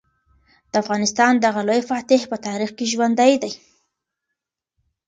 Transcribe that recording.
د افغانستان دغه لوی فاتح په تاریخ کې ژوندی دی.